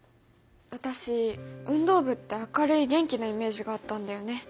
私運動部って明るい元気なイメージがあったんだよね。